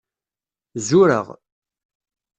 Zureɣ.